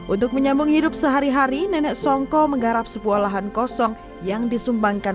untuk menyambung hidup sehari hari nenek songko menggarap sebuah lahan kosong yang disumbangkan